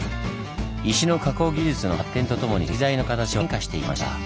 石の加工技術の発展とともに石材の形は変化していきました。